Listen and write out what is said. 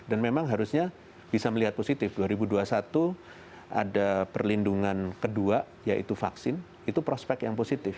dan memang harusnya bisa melihat positif dua ribu dua puluh satu ada perlindungan kedua yaitu vaksin itu prospek yang positif